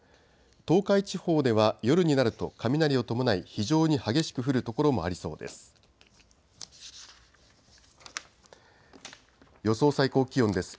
東海地方では夜になると雷を伴い非常に激しく降る所もありそうです。